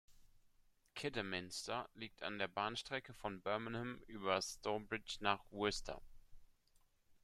Kidderminster liegt an der Bahnstrecke von Birmingham über Stourbridge nach Worcester.